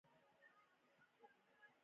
کورنۍ شخړې او بې ثباتۍ ذاتي ځانګړنه ده